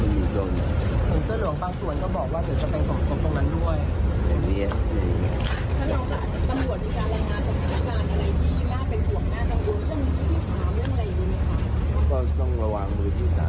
ผลเอกลวิทย์บอกว่าห่วงเรื่องมือที่๓แล้วก็ได้กำชับเจ้าหน้าที่ไปแล้วว่าต้องไม่ให้เกิดขึ้นนะฮะ